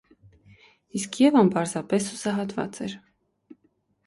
Իսկ Եվան պարզապես հուսահատված էր: